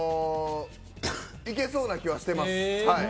いけそうな気はしてます。